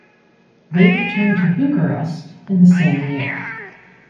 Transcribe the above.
They returned to Bucharest in the same year.